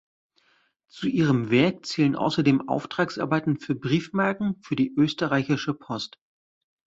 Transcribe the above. Zu ihrem Werk zählen außerdem Auftragsarbeiten für Briefmarken für die Österreichische Post.